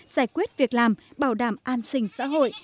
giải quyết việc làm bảo đảm an sinh xã hội